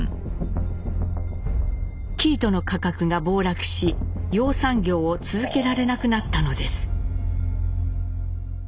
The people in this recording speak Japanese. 生糸の価格が暴落し養蚕業を続けられなくなったのです。